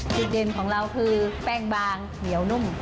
จุดเด่นของเราคือแป้งบางเหนียวนุ่ม